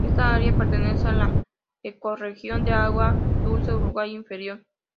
Esta área pertenece a la ecorregión de agua dulce Uruguay inferior.